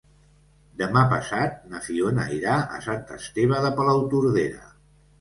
Demà passat na Fiona irà a Sant Esteve de Palautordera.